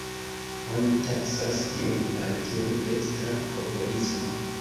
Oni taksas tiun partion dekstra-popolisma.